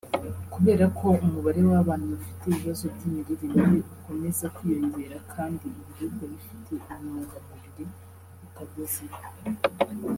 Kubera ko umubare w’abana bafite ibibazo by’imirire mibi ukomeza kwiyongera kandi ibiribwa bifite intungamubiri bitabuze